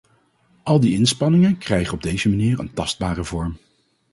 Al die inspanningen krijgen op deze manier een tastbare vorm.